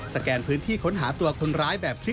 สแกนพื้นที่ค้นหาตัวคนร้ายแบบคลิกแผ่นดิน